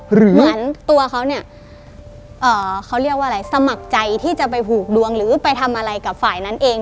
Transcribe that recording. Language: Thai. เหมือนตัวเขาเนี่ยเขาเรียกว่าอะไรสมัครใจที่จะไปผูกดวงหรือไปทำอะไรกับฝ่ายนั้นเอง